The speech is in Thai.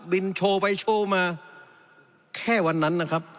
โชว์ไปโชว์มาแค่วันนั้นนะครับ